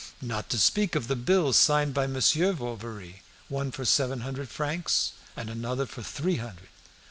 "Not to speak of the bills signed by Monsieur Bovary, one for seven hundred francs, and another for three hundred.